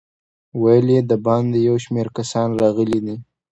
ویل یې د باندې یو شمېر کسان راغلي دي.